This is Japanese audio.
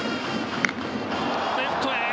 レフトへ。